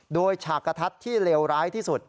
โดยฉากกระทัดที่เลวร้ายที่สุด